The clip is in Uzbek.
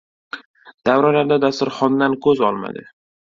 Davralarda dasturxondan ko‘z olmadi.